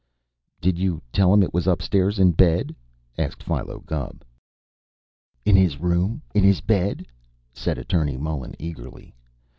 "Did you tell him it was upstairs, in bed?" asked Philo Gubb. "In his room? In his bed?" said Attorney Mullen eagerly.